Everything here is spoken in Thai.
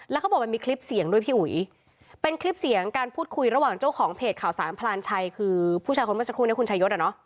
แล้วเขาบอกมันมีคลิปเสียงด้วยพี่อุ๋ยเป็นคลิปเสียงการพูดคุยระหว่างเจ้าของเพจข่าวสารพลานชัยคือผู้ชายคนเมื่อสักครู่นี้คุณชายศอ่ะเนอะ